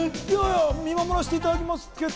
見守らせていただきます。